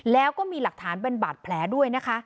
แล้วก็มีหลักฐานเป็นบาดแผลด้วยนะคะ